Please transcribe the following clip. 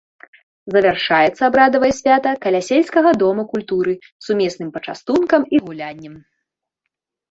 Завяршаецца абрадавае свята каля сельскага дома культуры сумесным пачастункам і гуляннем.